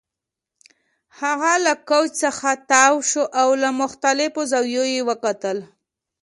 هغه له کوچ څخه تاو شو او له مختلفو زاویو یې وکتل